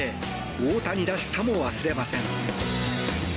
大谷らしさも忘れません。